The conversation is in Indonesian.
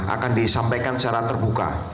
akan disampaikan secara terbuka